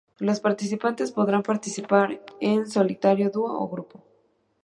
Los participantes podrán participar en solitario, dúo o grupo.